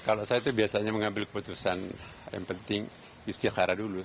kalau saya itu biasanya mengambil keputusan yang penting istiqara dulu